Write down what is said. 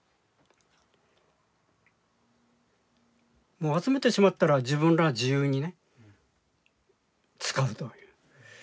もう集めてしまったら自分らが自由にね使うという。